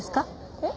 えっ？